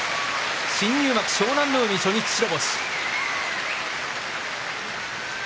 新入幕湘南乃海、初日白星。